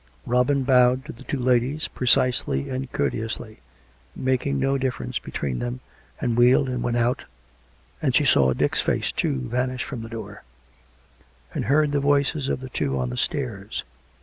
Robin bowed to the two ladies, precisely and courteously, making no difference between them, and wheeled and went out, and she saw Dick's face, too, vanish from the door, and heard the voices of the two on the stairs.